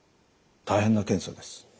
大変な検査です。